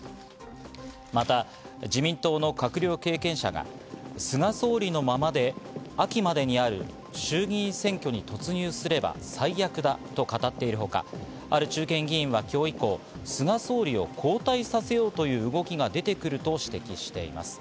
また自民党の閣僚経験者が菅総理のままで秋までにある衆議院選挙に突入すれば最悪だと語っているほか、ある中堅議員は今日以降、菅総理を交代させようという動きが出てくると指摘しています。